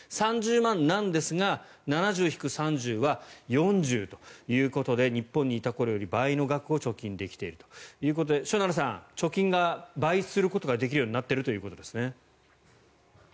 ３０万円なんですが７０引く３０は４０ということで日本にいた頃より倍の額を貯金できているということでしょなるさん、貯金が倍することができるようになっているということですね。